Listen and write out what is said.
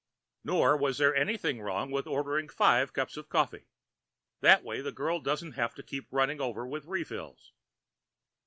Nor is there anything wrong with ordering five cups of coffee. That way the girl doesn't have to keep running over with refills.